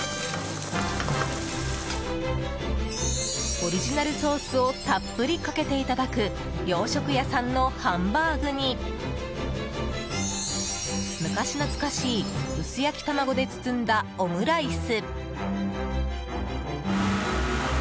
オリジナルソースをたっぷりかけていただく洋食屋さんのハンバーグに昔懐かしい薄焼き卵で包んだオムライス！